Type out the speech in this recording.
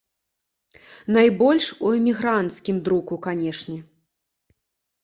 Найбольш у эмігранцкім друку, канечне.